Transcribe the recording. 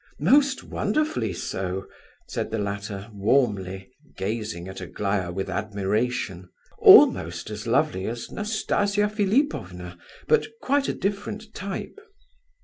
"Most wonderfully so," said the latter, warmly, gazing at Aglaya with admiration. "Almost as lovely as Nastasia Philipovna, but quite a different type."